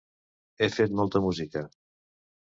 He fet molta música.